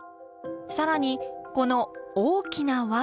更にこの大きな輪。